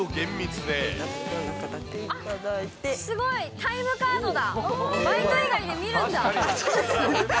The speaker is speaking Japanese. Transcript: すごい、タイムカードだ。